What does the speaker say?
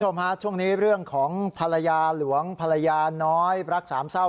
ท่อนข้างช่วงนี้เรื่องของภรรยาหลวงภรรยาน้อยรัก๓เศร้า